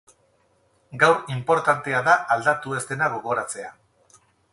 Gaur inportantea da aldatu ez dena gogoratzea.